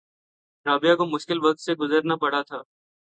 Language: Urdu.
رابعہ کو مشکل وقت سے گزرنا پڑا تھا